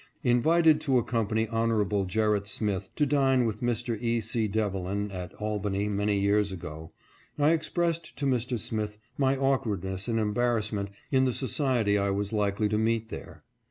Invited to accompany Hon. Gerrit Smith to dine with Mr. E. C. Delevan at Albany many years ago, I expressed to Mr. Smith my awkwardness and embarrassment in the society I was likely to meet there.